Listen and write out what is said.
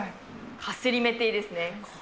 カスリメティですね。